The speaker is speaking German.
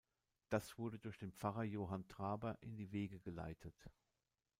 Das wurde durch den Pfarrer Johann Traber in die Wege geleitet.